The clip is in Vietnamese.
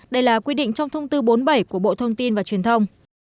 đây là quy định trong thông tư bốn mươi bảy của bộ thông tin và truyền thông